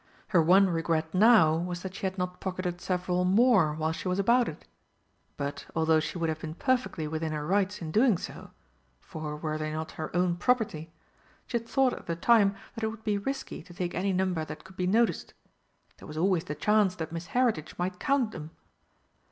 Her one regret now was that she had not pocketed several more while she was about it. But, although she would have been perfectly within her rights in doing so for were they not her own property? she had thought at the time that it would be risky to take any number that could be noticed. There was always the chance that Miss Heritage might count them!